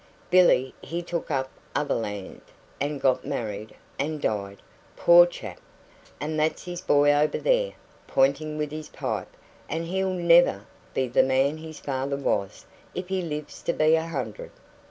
Billy, he took up other land, and got married, and died, poor chap! And that's his boy over there," pointing with his pipe "and he'll never be the man his father was, if he lives to a hundred."